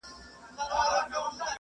صحتمند خواړه د وده بنسټ جوړوي.